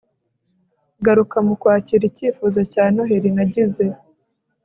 garuka mu kwakira icyifuzo cya noheri nagize